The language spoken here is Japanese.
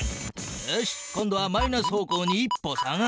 よし今度はマイナス方向に１歩下がる。